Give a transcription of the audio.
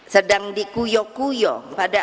sedang dikuyok kuyok pada